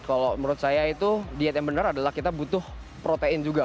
kalau menurut saya itu diet yang benar adalah kita butuh protein juga